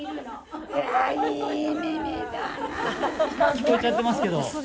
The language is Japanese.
聞こえちゃってますけど。